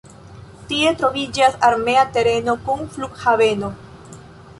Tie troviĝas armea tereno kun flughaveno.